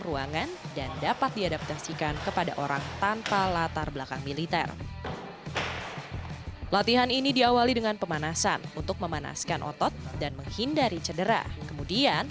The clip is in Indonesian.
ruangan dan dapat diadaptasikan kepada orang tanpa latar belakang militer latihan ini diawali dengan